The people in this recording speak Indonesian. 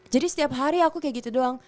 jadi setiap hari aku kayak gitu doang